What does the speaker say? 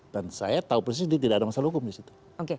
dan saya tahu persis dia tidak ada masalah hukum disitu